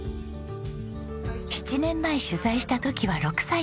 ７年前取材した時は６歳でした。